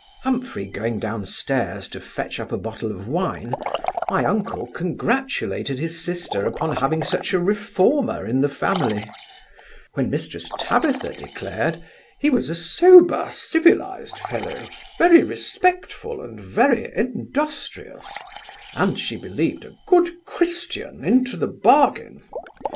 Humphry going down stairs to fetch up a bottle of wine, my uncle congratulated his sister upon having such a reformer in the family; when Mrs Tabitha declared, he was a sober civilized fellow; very respectful, and very industrious; and, she believed, a good Christian into the bargain.